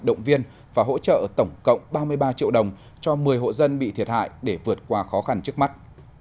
động viên và hỗ trợ tổng cộng ba mươi ba triệu đồng cho một mươi hộ dân bị thiệt hại để vượt qua khó khăn trước mắt